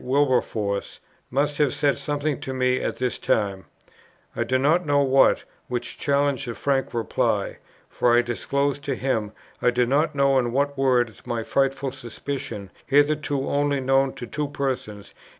Wilberforce, must have said something to me at this time, I do not know what, which challenged a frank reply; for I disclosed to him, I do not know in what words, my frightful suspicion, hitherto only known to two persons, viz.